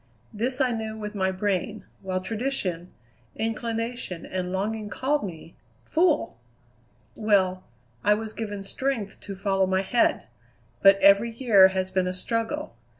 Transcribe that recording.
This I knew with my brain, while tradition, inclination, and longing called me fool! Well, I was given strength to follow my head; but every year has been a struggle.